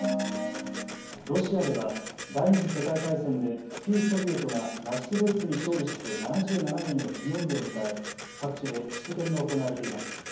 ロシアでは第２次世界大戦で旧ソビエトがナチス・ドイツに勝利して７７年の記念日を迎え各地で式典が行われています。